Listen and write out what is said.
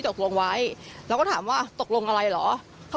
โทรศัพท์โทรศัพท์โทรศัพท์